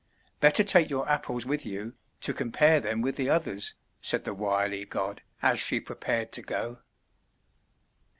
"Better take your Apples with you, to compare them with the others," said the wily god, as she prepared to go.